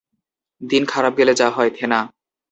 দিন খারাপ গেলে যা হয়, থেনা!